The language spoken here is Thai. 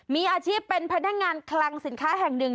มีอาชีพเป็นพนักงานคลังสินค้าแห่งหนึ่ง